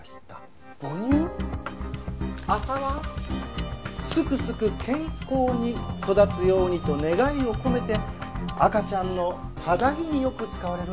麻はすくすく健康に育つようにと願いを込めて赤ちゃんの肌着によく使われるんですねえ。